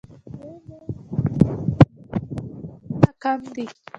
د دویم ډول ځمکې حاصلات د لومړۍ په پرتله کم دي